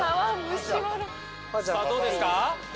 さぁどうですか？